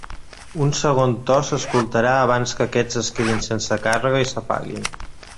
Un segon to s'escoltarà abans que aquests es quedin sense càrrega i s'apaguin.